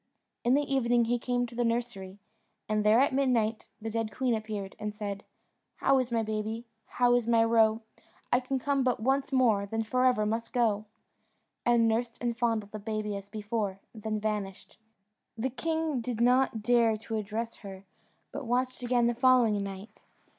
In the evening he came to the nursery, and there at midnight the dead queen appeared, and said "How is my baby? How is my roe? I can come but once more, then for ever must go;" and nursed and fondled the baby as before, then vanished. The king did not dare to address her, but watched again the following night.